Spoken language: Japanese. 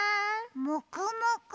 もくもく？